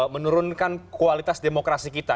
menurunkan kualitas demokrasi kita